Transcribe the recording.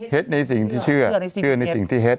ในสิ่งที่เชื่อเชื่อในสิ่งที่เฮ็ด